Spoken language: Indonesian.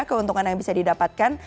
keuntungan yang bisa didapatkan